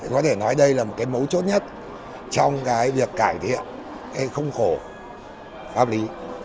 có thể nói đây là một mấu chốt nhất trong việc cải thiện không khổ pháp lý